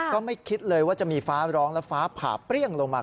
ก็ไม่คิดเลยว่าจะมีฟ้าร้องและฟ้าผ่าเปรี้ยงลงมา